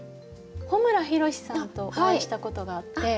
穂村弘さんとお会いしたことがあって。